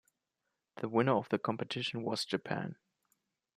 The winner of the competition was Japan.